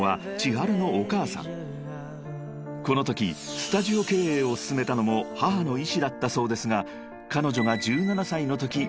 ［このときスタジオ経営を勧めたのも母の意思だったそうですが］